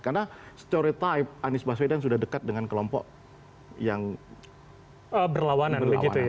karena stereotype anies baswedan sudah dekat dengan kelompok yang berlawanan